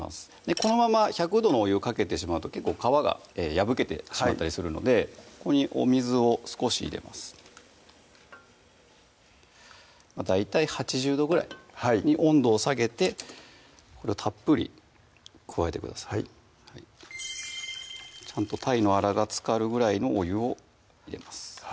このまま１００度のお湯かけてしまうと結構皮が破けてしまったりするのでここにお水を少し入れます大体８０度ぐらいに温度を下げてこれをたっぷり加えてくださいちゃんとたいのあらがつかるぐらいのお湯を入れます